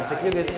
asik juga sih